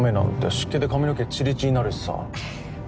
湿気で髪の毛チリチリになるしさ。